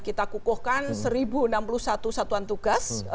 kita kukuhkan seribu enam puluh satu satuan tugas